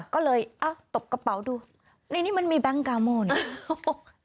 ก็เลยตบกระเป๋าดูนี่มันมีแบงก์กาโม้นี่